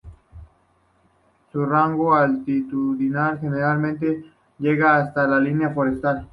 Su rango altitudinal generalmente llega hasta la línea forestal.